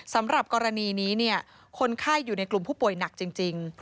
สำหรับกรณีนี้คนไข้อยู่ในกลุ่มผู้ป่วยหนักจริง